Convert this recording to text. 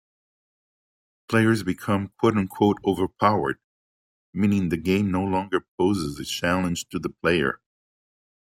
Players become "overpowered", meaning the game no longer poses a challenge to the player.